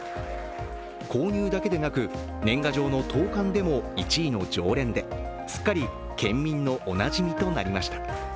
購入だけでなく、年賀状の投函でも１位の常連ですっかり県民のおなじみとなりました。